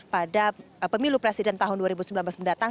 pada pemilu presiden tahun dua ribu sembilan belas mendatang